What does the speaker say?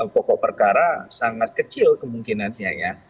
pokok perkara sangat kecil kemungkinannya ya